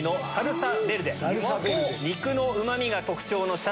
肉のうま味が特徴の。